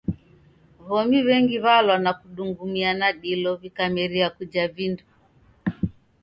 W'omi w'engi w'alwa na kudungumia na dilo w'ikameria kuja vindo.